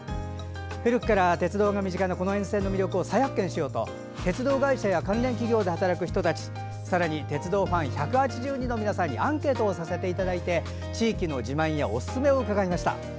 古くから鉄道が身近なこの沿線の魅力を再発見しようと鉄道会社や関連企業で働く人たちさらに鉄道ファン１８０人の皆さんにアンケートをして地域の自慢やおすすめを伺いました。